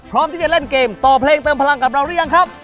พร้อมที่จะเล่นเกมต่อเพลงเติมพลังกับเราหรือยังครับ